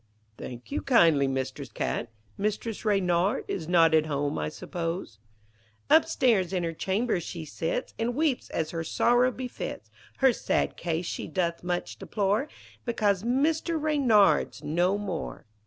'Thank you kindly, Mistress Cat. Mistress Reynard is not at home, I suppose.' 'Upstairs in her chamber she sits, And weeps as her sorrow befits. Her sad case she doth much deplore, Because Mr. Reynard's no more.'